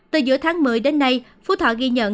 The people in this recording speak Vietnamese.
từ giữa tháng một mươi đến nay phú thọ ghi nhận